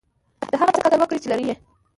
د هغه څه قدر وکړئ، چي لرى يې.